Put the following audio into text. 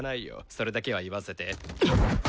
それだけは言わせて。